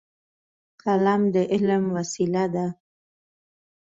قلم د علم وسیله ده.